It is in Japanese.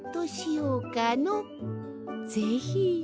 ぜひ！